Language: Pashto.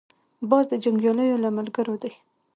باز د جنګیالیو له ملګرو دی